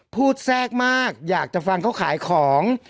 แทรกมากอยากจะฟังเขาขายของ